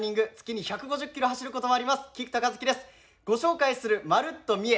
ご紹介する「まるっと！みえ」。